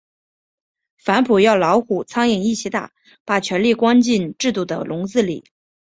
反腐要老虎、苍蝇一起打，把权力关进制度的笼子里。